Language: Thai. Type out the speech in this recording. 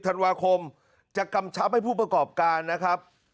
ธันวาคมจะกำชับให้ผู้ประกอบการนะครับ